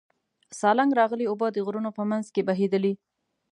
سالنګ راغلې اوبه د غرونو په منځ کې بهېدلې.